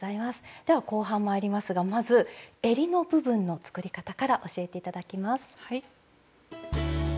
では後半まいりますがまずえりの部分の作り方から教えて頂きます。